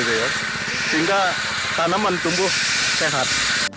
sehingga tanaman tumbuh sehat